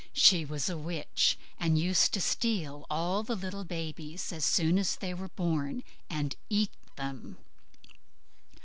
She was a witch, and used to steal all the little babies as soon as they were born, and eat them.